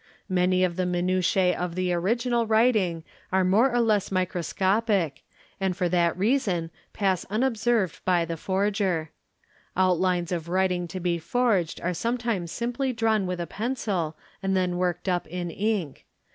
Many of the minutiae of the origin writing are more or less microscopic and for that reason pass unobserv by the forger. Outlines of writing to be forged' are sometimes simply . yar. es '" he PHOTOGRAPHY QAT drawn with a pencil and then worked up in ink.